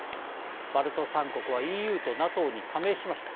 バルト三国はＥＵとＮＡＴＯに加盟しました。